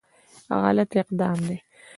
غلط اقدام دی.